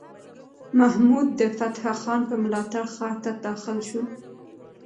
محمود د فتح خان په ملاتړ ښار ته داخل شو.